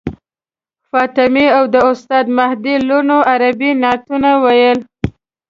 فاطمې او د استاد مهدي لوڼو عربي نعتونه ویل.